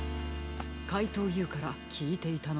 かいとうＵからきいていたのでしょう。